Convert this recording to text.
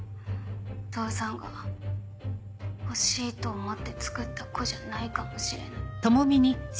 お父さんが欲しいと思ってつくった子じゃないかもしれない。